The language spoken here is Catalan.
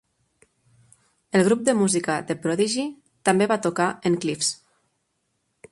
El grup de música The Prodigy també va tocar en Cliffs.